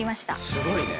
すごいね。